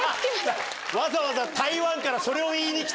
わざわざ台湾からそれを言い